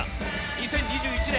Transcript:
２０２１年